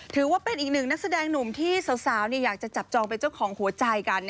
ถือว่าเป็นอีกหนึ่งนักแสดงหนุ่มที่สาวอยากจะจับจองเป็นเจ้าของหัวใจกัน